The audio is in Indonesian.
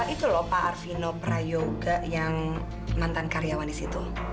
itu lho pak arfino prayoga yang mantan karyawan di situ